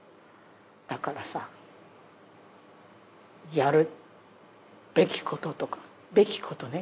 だからさやるべきこととか「べきこと」ね。